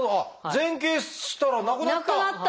前傾したらなくなった！